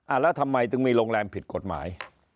แล้วทำไมถึงมีโรงแรมผิดกฎหมาย